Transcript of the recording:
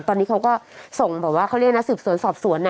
ตอนนี้เขาก็ส่งของเขาเรียกว่านักสืบสวนสอบสวนน่ะ